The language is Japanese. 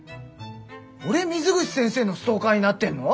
俺水口先生のストーカーになってんの？